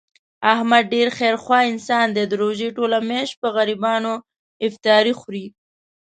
احمد ډېر خیر خوا انسان دی، د روژې ټوله میاشت په غریبانو افطاري خوري.